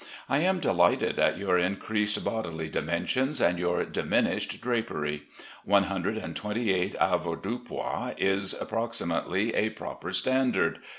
I am delighted at your increased bodily dimensions, and your diminished drapery. One hundred and twenty eight avoirdupois is approximately a proper standard.